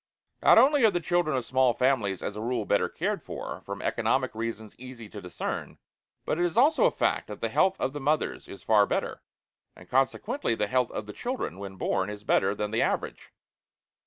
Not only are the children of small families as a rule better cared for, from economic reasons easy to discern, but it is also a fact that the health of the mothers is far better, and consequently the health of the children when born is better than the average.